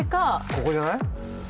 ここじゃない？